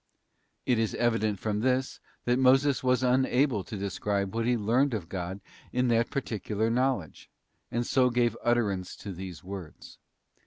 '{ It is evident from this that Moses was unable to describe what he learned of God in that particular knowledge, and so gave utterance to these words.